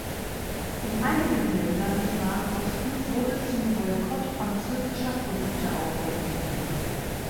In einigen Ländern des Nahen Ostens wurde zum Boykott französischer Produkte aufgerufen.